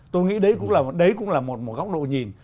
tôi nghĩ đấy cũng là một góc độ nhìn